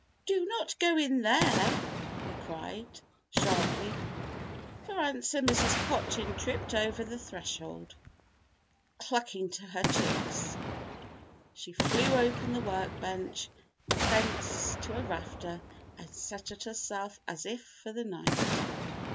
"Do not go in there," he cried, sharply. For answer Mrs. Cochin tripped over the threshold, clucking to her chicks. She flew upon the work bench, thence to a rafter and settled herself as if for the night.